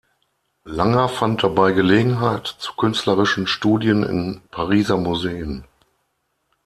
Langer fand dabei Gelegenheit zu künstlerischen Studien in Pariser Museen.